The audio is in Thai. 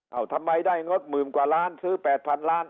เอ้าทำไมได้งบ๑๐กว่าล้านซื้อ๘๐๐๐ล้าน